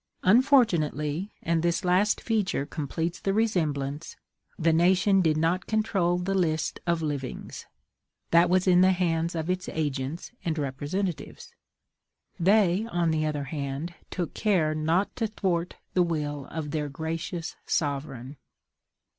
Unfortunately, and this last feature completes the resemblance, the nation did not control the list of livings; that was in the hands of its agents and representatives. They, on the other hand, took care not to thwart the will of their gracious sovereign.